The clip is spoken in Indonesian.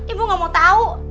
ibu gak mau tau